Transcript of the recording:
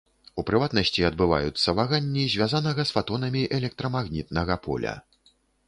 У прыватнасці, адбываюцца ваганні звязанага з фатонамі электрамагнітнага поля.